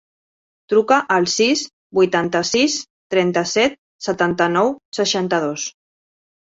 Truca al sis, vuitanta-sis, trenta-set, setanta-nou, seixanta-dos.